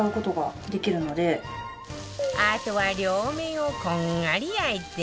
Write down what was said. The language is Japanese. あとは両面をこんがり焼いて